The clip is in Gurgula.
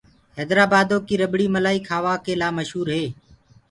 هيدرآبآدو ڪي رڀڙ ملآئي کآوآ ڪي لآ مشور هي۔